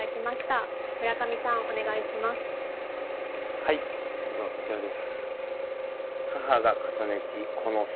はい僕はこちらです。